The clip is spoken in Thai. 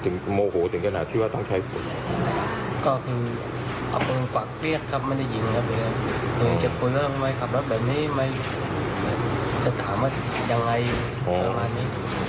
ถึงตอนนี้เพราะโดนอย่างนี้เราอยากจะบอกกับผู้เสียหายอย่างไร